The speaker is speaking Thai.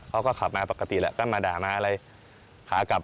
เขาก็ขับมาปกติแหละก็มาด่ามาอะไรขากลับ